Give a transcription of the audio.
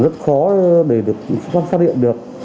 rất khó để được phát hiện được